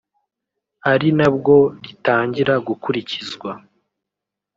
ari nabwo ritangira gukurikizwa